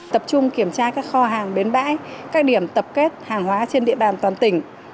tập trung kiểm tra các kho hàng bến bãi các điểm tập kết hàng hóa trên địa bàn toàn tỉnh